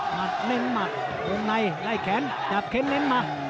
เน้นหมัดวงในไล่แขนจับเค้นเน้นมา